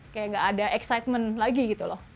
kayak gak ada excitement lagi gitu loh